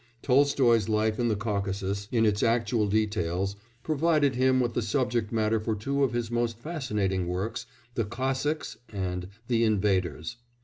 Tolstoy's life in the Caucasus, in its actual details, provided him with the subject matter for two of his most fascinating works, The Cossacks, and The Invaders.